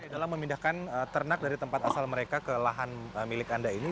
dalam memindahkan ternak dari tempat asal mereka ke lahan milik anda ini